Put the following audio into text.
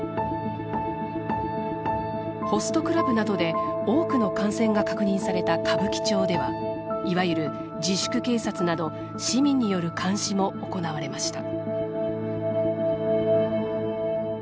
ホストクラブなどで多くの感染が確認された歌舞伎町ではいわゆる自粛警察など市民による監視も行われました。